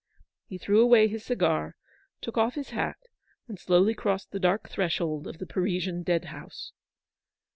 He threw away his cigar, took off his hat, and slowly crossed the dark threshold of the Parisian dead house.